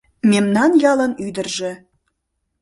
Мемнан ялын ӱдыржӧ